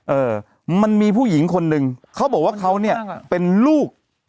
เออมันมีผู้หญิงคนหนึ่งเขาบอกว่าเขาเนี่ยเป็นลูก